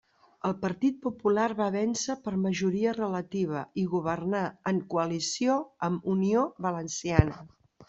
El Partit Popular va vèncer per majoria relativa i governà en coalició amb Unió Valenciana.